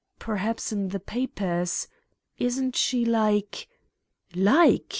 "Perhaps in the papers. Isn't she like—?" "Like!"